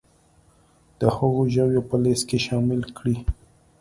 د هغو ژویو په لیست کې شامل کړي